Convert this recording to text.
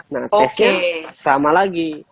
nah tesnya sama lagi